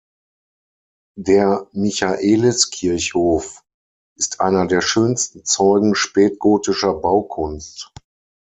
Der "Michaelis-Kirchhof" ist „einer der schönsten Zeugen spätgotischer Baukunst“.